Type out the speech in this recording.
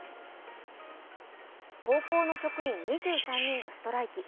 高校の職員２３人がストライキ。